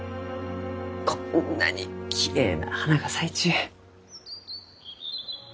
こんなにきれいな花が咲いちゅう。